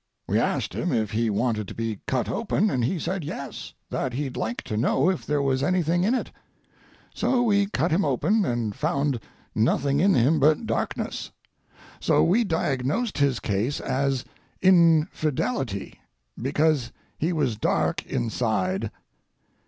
We asked him if he wanted to be cut open, and he said yes, that he'd like to know if there was anything in it. So we cut him open and found nothing in him but darkness. So we diagnosed his case as infidelity, because he was dark inside.